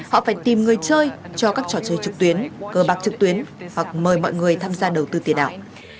họ phải tìm người chơi cho các trò chơi trực tuyến cơ bạc trực tuyến hoặc mời mọi người tham gia đầu tư tiền ảo